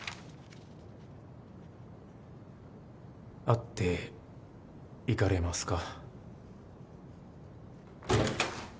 会っていかれますか？